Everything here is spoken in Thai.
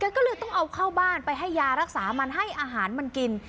ก็เลยต้องเอาเข้าบ้านไปให้ยารักษามันให้อาหารมันกิน